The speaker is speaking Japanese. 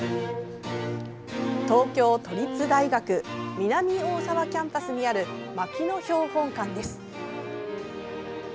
東京都立大学南大沢キャンパスにある牧野標本館です。